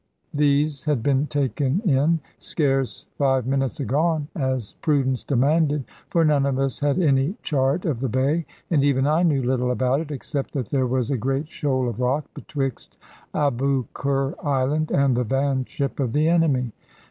These had been taken in, scarce five minutes agone, as prudence demanded, for none of us had any chart of the bay; and even I knew little about it, except that there was a great shoal of rock betwixt Aboukir island and the van ship of the enemy.